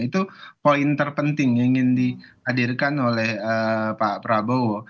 itu poin terpenting yang ingin dihadirkan oleh pak prabowo